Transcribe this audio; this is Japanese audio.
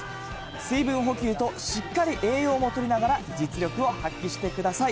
水分補給としっかり栄養もとりながら、実力を発揮してください。